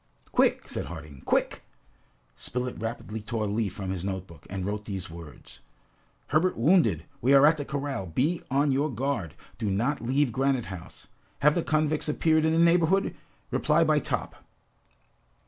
"Quick!" said Harding. "Quick!" Spilett rapidly tore a leaf from his note book, and wrote these words: "Herbert wounded. We are at the corral. Be on your guard. Do not leave Granite House. Have the convicts appeared in the neighborhood? Reply by Top."